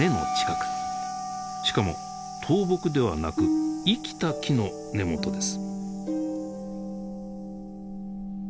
しかも倒木ではなく生きた木の根元です。